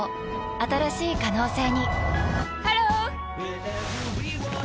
新しい可能性にハロー！